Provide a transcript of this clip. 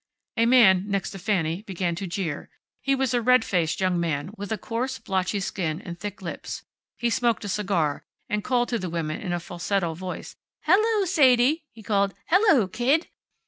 A man next to Fanny began to jeer. He was a red faced young man, with a coarse, blotchy skin, and thick lips. He smoked a cigar, and called to the women in a falsetto voice, "Hello, Sadie!" he called. "Hello, kid!"